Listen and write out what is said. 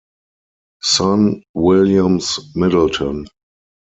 Son - Williams Middleton.